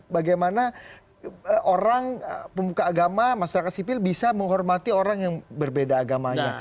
bagaimana orang pemuka agama masyarakat sipil bisa menghormati orang yang berbeda agamanya